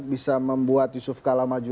bisa membuat yusuf kala maju